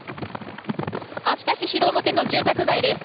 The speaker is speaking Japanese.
秋田市広面の住宅街です。